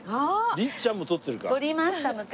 律ちゃんも撮ってるか。